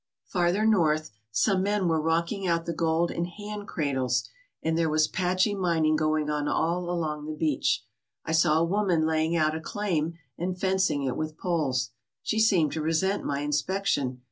Farther north some men were rocking out the gold in hand cradles, and there was patchy mining going on all along the beach. I saw a woman laying out a claim and fencing it with poles. She seemed to resent my inspec tion.